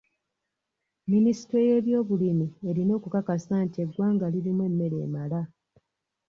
Minisitule y'ebyobulimi erina okukasa nti eggwanga lirimu emmere emala.